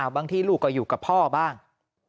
บางทีลูกก็อยู่กับพ่อบ้าง